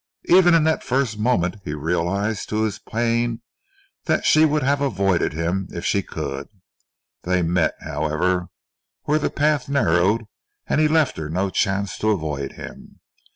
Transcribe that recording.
Even in that first moment he realised to his pain that she would have avoided him if she could. They met, however, where the path narrowed, and he left her no chance to avoid him.